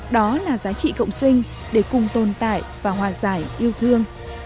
đó là giá trị cộng sinh để cùng tồn tại và hòa giải yêu thương